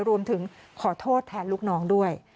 รวมถึงขอโทษแทนลูกน้องด้วย